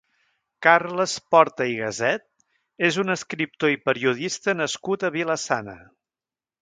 Carles Porta i Gaset és un escriptor i periodista nascut a Vila-sana.